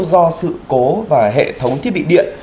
do sự cố và hệ thống thiết bị điện